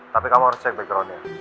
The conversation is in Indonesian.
tapi kamu harus cek backgroundnya